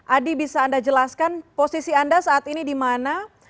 adi bisa anda jelaskan posisi anda saat ini di mana